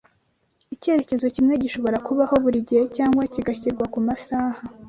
Icyerekezo kimwe gishobora kubaho buri gihe cyangwa kigashyirwa ku masaha